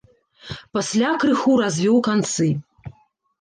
Пасля крыху развёў канцы.